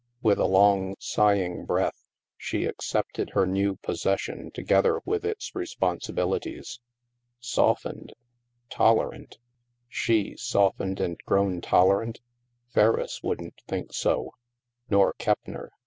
With a long sighing breath, she accepted her new possession together with its responsibilities. " Softened !"'' Tolerant !" She, softened and grown tolerant! Ferriss wouldn't think so. Nor Keppner